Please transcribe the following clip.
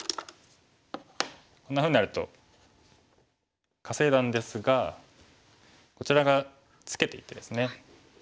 こんなふうになると稼いだんですがこちら側ツケていってですね。